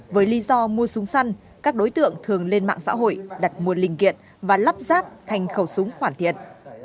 với lý do mua súng săn các đối tượng thường lên mạng xã hội đặt mua linh kiện và lắp ráp thành khẩu súng hoàn thiện